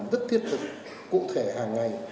rất thiết thực cụ thể hàng ngày